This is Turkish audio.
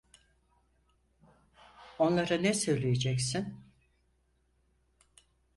Onlara ne söyleyeceksin?